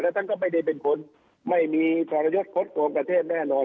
ท่านก็ไม่ได้เป็นคนไม่มีทรยศคดโกงประเทศแน่นอน